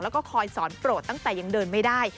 แล้วก็คอยสอนโปรดตั้งแต่ยังเดินไม่ได้